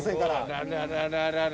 あらららら。